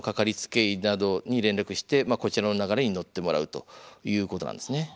医などに連絡してこちらの流れに乗ってもらうということなんですね。